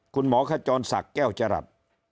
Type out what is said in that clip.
คุณหมอขจรศักดิ์แก้วจรับ